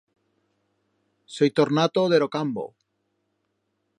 Soi tornato de ro cambo.